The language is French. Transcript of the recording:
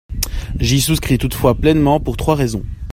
J’y souscris toutefois pleinement, pour trois raisons.